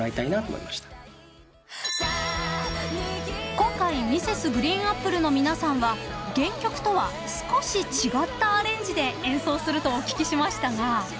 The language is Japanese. ［今回Ｍｒｓ．ＧＲＥＥＮＡＰＰＬＥの皆さんは原曲とは少し違ったアレンジで演奏するとお聞きしましたが］